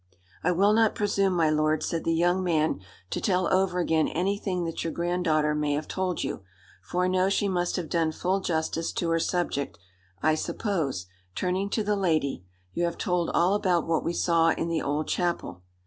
"I will not presume, my lord," said the young man, "to tell over again anything that your granddaughter may have told you; for I know she must have done full justice to her subject. I suppose," turning to the lady, "you have told all about what we saw in the old chapel?"